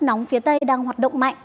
nóng phía tây đang hoạt động mạnh